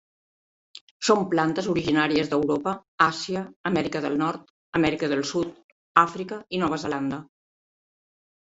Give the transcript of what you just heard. Són plantes originàries d'Europa, Àsia, Amèrica del Nord, Amèrica del Sud, Àfrica i Nova Zelanda.